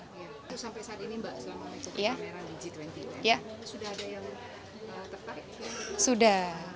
ini mbak selama membuka pameran di g dua puluh sudah ada yang tertarik